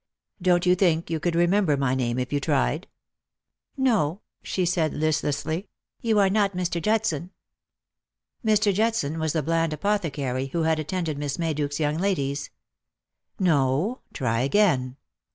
" Don't you think you could remember my name if you tried? "" Xo," she said listlessly; "you are not Mr. Judson." Mr. Judson was the bland apothecary who had attended ZMiss Mayduke's young ladies. " No. Try again."